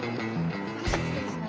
はい失礼します。